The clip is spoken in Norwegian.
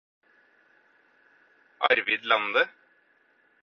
Arvid Lande